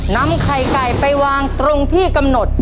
นำไข่ไก่ไปวางตรงที่กำหนด